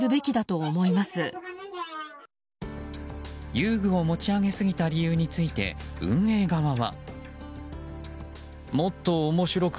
遊具を持ち上げすぎた理由について運営側は。